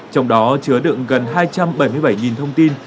trong đó chứa đựng gần hai trăm bảy mươi bảy thông tin